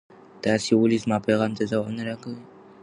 تاسو ولې زما پیغام ته ځواب نه راکوئ؟